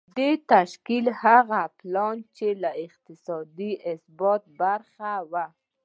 د دې تشکيل هغه پلان چې له اقتصادي ثباته برخمن و.